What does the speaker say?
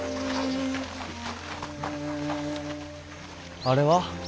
・あれは？